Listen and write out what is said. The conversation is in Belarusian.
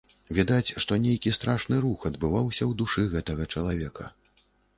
Відаць, што нейкі страшны рух адбываўся ў душы гэтага чалавека.